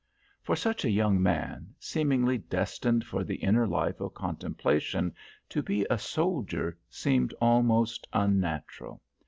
For such a young man, seemingly destined for the inner life of contemplation, to be a soldier seemed almost unnatural.